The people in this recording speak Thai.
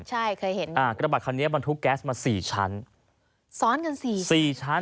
ใช่เคยเห็นอ่ากระบะคันนี้บรรทุกแก๊สมาสี่ชั้นซ้อนกันสี่สี่ชั้น